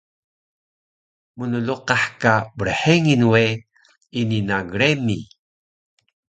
Mnluqah ka brhengil we, ini na gremi